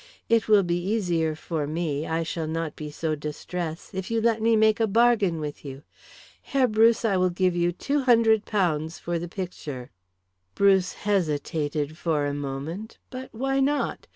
It will be easier for me, I shall not be so distressed, if you let me make a bargain with you. Herr Bruce, I will give you £200 for the picture." Bruce hesitated for a moment. But why not?